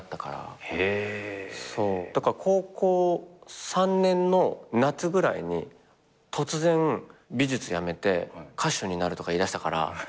だから高校３年の夏ぐらいに突然美術やめて歌手になるとか言いだしたからひっくり返ってたよ親は。